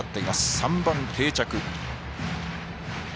３番定着。